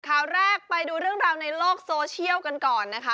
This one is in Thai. ข่าวแรกไปดูเรื่องราวในโลกโซเชียลกันก่อนนะคะ